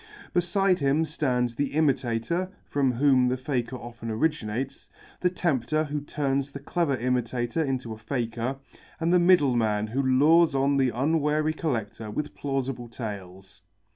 Beside him stand the Imitator, from whom the faker often originates, the tempter who turns the clever imitator into a faker, and the middleman who lures on the unwary collector with plausible tales.